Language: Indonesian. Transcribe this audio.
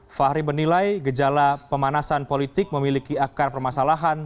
fahri menilai gejala pemanasan politik memiliki akar permasalahan